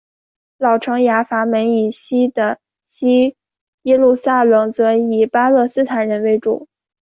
老城雅法门以西的西耶路撒冷则以巴勒斯坦人为主。